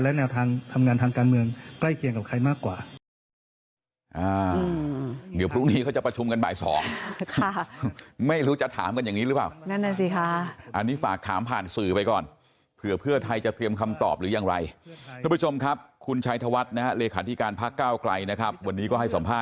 และแนวทางทำงานทางการเมืองใกล้เคียงกับใครมากกว่า